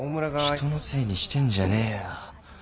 人のせいにしてんじゃねえよ。